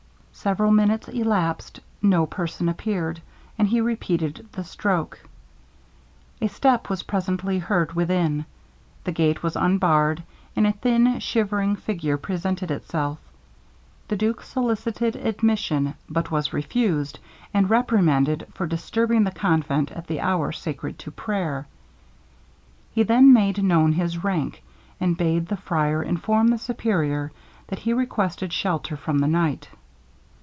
Several minutes elapsed, no person appeared, and he repeated the stroke. A step was presently heard within, the gate was unbarred, and a thin shivering figure presented itself. The duke solicited admission, but was refused, and reprimanded for disturbing the convent at the hour sacred to prayer. He then made known his rank, and bade the friar inform the Superior that he requested shelter from the night.